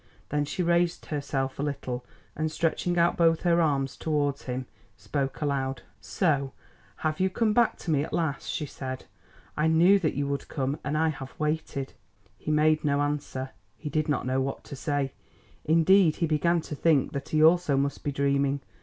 Then she raised herself a little and stretching out both her arms towards him, spoke aloud. "So have you have come back to me at last," she said. "I knew that you would come and I have waited." He made no answer, he did not know what to say; indeed he began to think that he also must be dreaming.